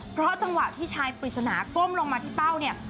เพราะจังหวะที่ชายปริศนาก้มลงมาที่เป้าเนี่ย